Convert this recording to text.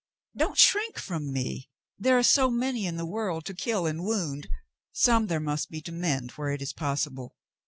"Don't shrink from me. There are so many in the world to kill and wound, some there must be to mend where it is possible.